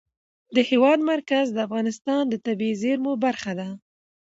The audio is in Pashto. د هېواد مرکز د افغانستان د طبیعي زیرمو برخه ده.